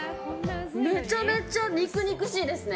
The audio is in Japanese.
めちゃめちゃ肉々しいですね。